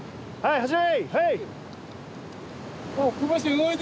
はい。